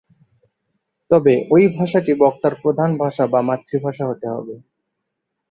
তবে ঐ ভাষাটি বক্তার প্রধান ভাষা বা মাতৃভাষা হতে হবে।